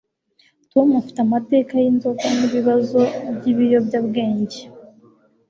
Tom afite amateka yinzoga nibibazo byibiyobyabwenge.